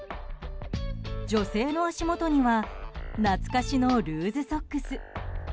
女性の足元には懐かしのルーズソックス。